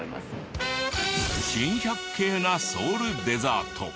珍百景なソウルデザート。